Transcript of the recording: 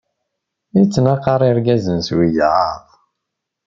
Ittnaqaṛ irgazen s wiyaḍ.